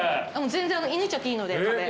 全然射抜いちゃっていいので。